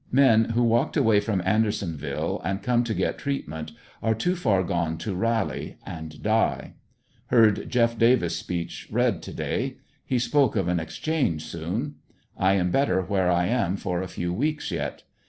Men who walked away from Andersonville, and come to get treatment, are too far gone to rally, and die. Heard Jeff. Davis' speech read to day. He spoke of an exchange soon. I am better where I am for a few weeks yet.